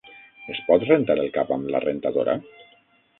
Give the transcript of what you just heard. Es pot rentar el cap amb la rentadora?